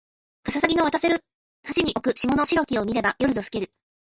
かささぎの渡せる橋に置く霜の白きを見れば夜ぞふけにける